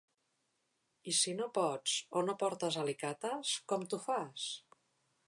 I si no pots o no portes alicates com t'ho fas?